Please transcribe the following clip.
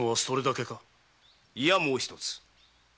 いやもう一つ。